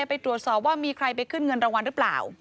ไปตรวจสอบว่ามีใครไปขึ้นเงินรางวัลหรือเปล่า